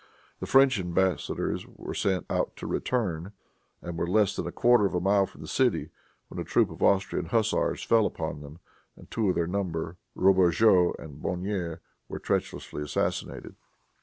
The French embassadors set out to return, and were less than a quarter of a mile from the city, when a troop of Austrian hussars fell upon them, and two of their number, Roberjeot and Bonnier, were treacherously assassinated.